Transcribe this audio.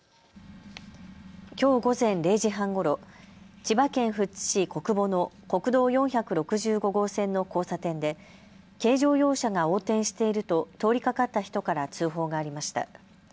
きょう午前０時半ごろ、千葉県富津市小久保の国道４６５号線の交差点で、軽乗用車が横転していると通りかかった人から通報がありました。